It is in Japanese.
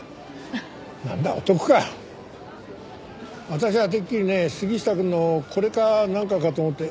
私はてっきりね杉下くんのこれかなんかかと思って。